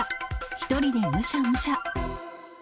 一人でむしゃむしゃ。